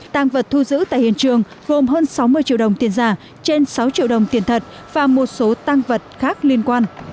tăng vật thu giữ tại hiện trường gồm hơn sáu mươi triệu đồng tiền giả trên sáu triệu đồng tiền thật và một số tăng vật khác liên quan